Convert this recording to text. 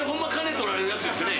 取られるやつですよね。